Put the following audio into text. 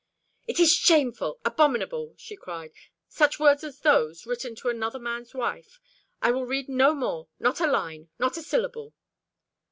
"It is shameful, abominable!" she cried. "Such words as those written to another man's wife! I will read no more not a line not a syllable."